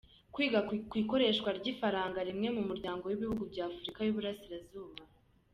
Kwiga ku ikoreshwa ry’ifaranga rimwe mu muryango w’ibihugu bya Afurika y’uburasirazuba